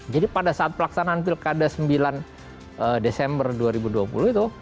jadi pada saat pelaksanaan pilkada sembilan desember dua ribu dua puluh itu